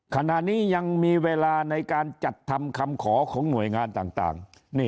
ขณะนี้ยังมีเวลาในการจัดทำคำขอของหน่วยงานต่าง